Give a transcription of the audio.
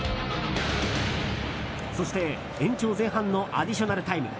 そして、延長前半のアディショナルタイム。